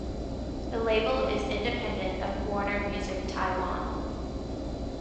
The label is independent of Warner Music Taiwan.